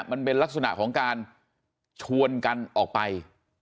มันเป็นลักษณะของการชวนกันออกไป